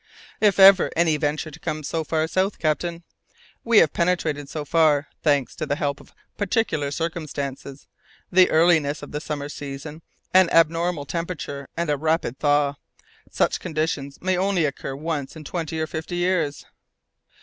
"If ever any venture to come so far south, captain! We have penetrated so far, thanks to the help of particular circumstances, the earliness of the summer season, an abnormal temperature and a rapid thaw. Such conditions may only occur once in twenty or fifty years!"